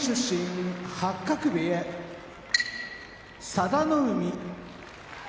佐田の海